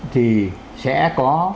thì sẽ có